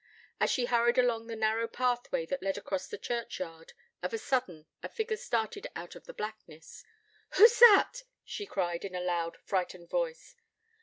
As she hurried along the narrow pathway that led across the churchyard, of a sudden, a figure started out of the blackness. 'Who's that?' she cried, in a loud, frightened voice.